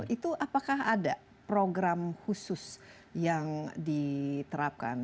itu apakah ada program khusus yang diterapkan